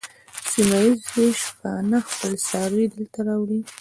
سیمه ییز شپانه خپل څاروي دلته راوړي.